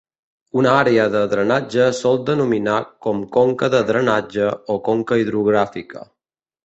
Una àrea de drenatge sol denominar com conca de drenatge o conca hidrogràfica.